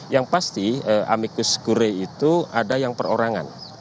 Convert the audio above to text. yang pasti amicus kure itu ada yang perorangan